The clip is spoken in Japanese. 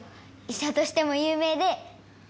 いしゃとしても有名で。